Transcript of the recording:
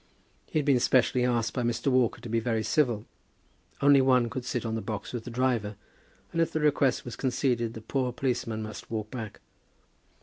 He had been specially asked by Mr. Walker to be very civil. Only one could sit on the box with the driver, and if the request was conceded the poor policeman must walk back.